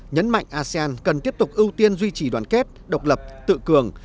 nhấn mạnh asean cần tiếp tục ưu tiên duy trì đoàn kết độc lập tự cường